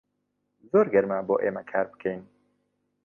زۆر گەرمە بۆ ئێمە کار بکەین.